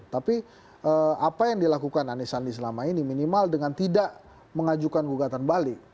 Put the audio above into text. tapi apa yang dilakukan anies sandi selama ini minimal dengan tidak mengajukan gugatan balik